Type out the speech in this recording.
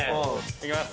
いきます。